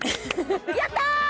やった！